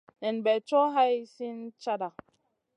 Nen bè co hai slina cata.